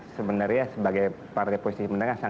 sebenarnya sebagai partai posisi menengah